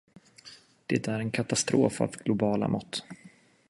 Det är en katastrof av globala mått.